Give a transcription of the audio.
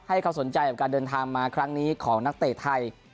ให้เขาสนใจกับการเดินทางมาครั้งนี้ของนักเตะไทย